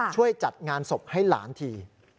ช่วยจัดงานศพให้หลานที